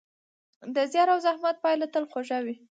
د زیار او زحمت پایله تل خوږه وي.